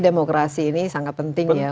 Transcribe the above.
demokrasi ini sangat penting ya untuk kita